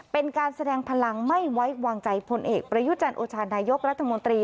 เป็นการแสดงพลังไม่ไว้วางใจพลเอกประยุจันทร์โอชานายกรัฐมนตรี